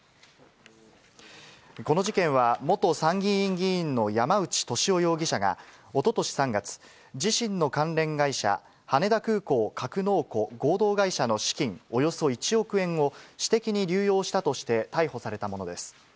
この事件は、元参議院議員の山内俊夫容疑者が、おととし３月、自身の関連会社、羽田空港格納庫合同会社の資金およそ１億円を私的に流用したとして逮捕されたものです。